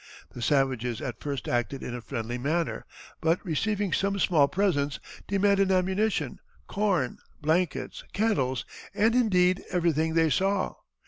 The savages at first acted in a friendly manner, but receiving some small presents, demanded ammunition, corn, blankets, kettles, and indeed everything they saw.